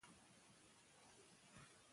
که زده کړه نه وي، بې ثباتي رامنځته کېږي.